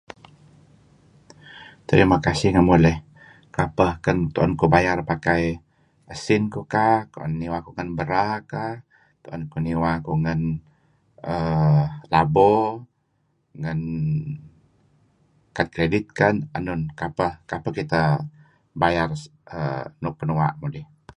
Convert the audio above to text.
Terima kasih ngemuh leh, Kapeh kan tu'en kuh bayar pakai usin iko kah, niwa ngan bera kah, ngan err labo, ngan kad credit kah, enun kapeh kitah bayar nuk peh nua' mudih?